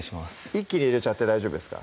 一気に入れちゃって大丈夫ですか？